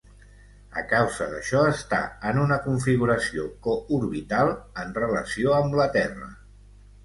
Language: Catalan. A causa d'això, està en una configuració co-orbital en relació amb la Terra.